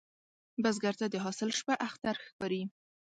بزګر ته د حاصل شپه اختر ښکاري